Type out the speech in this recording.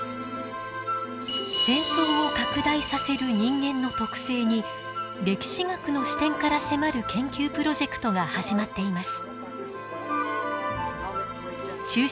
戦争を拡大させる人間の特性に歴史学の視点から迫る研究プロジェクトが始まっています。